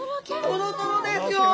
トロトロですよ！